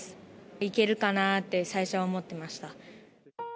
行けるかなーって、最初は思ってました。